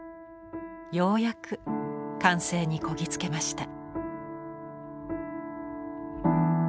ようやく完成にこぎ着けました。